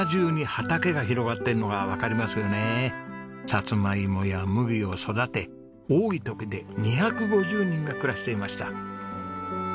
サツマイモや麦を育て多い時で２５０人が暮らしていました。